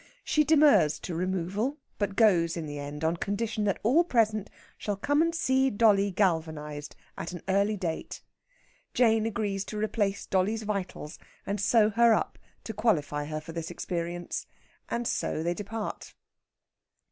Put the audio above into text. She demurs to removal, but goes in the end on condition that all present shall come and see dolly galvanised at an early date. Jane agrees to replace dolly's vitals and sew her up to qualify her for this experience. And so they depart.